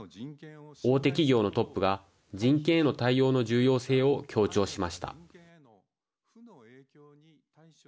大手企業のトップが人権への対応の重要性を強調しました。